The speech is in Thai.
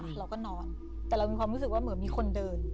เราก็นอนแต่เรามีความรู้สึกว่าเหมือนมีคนเดิน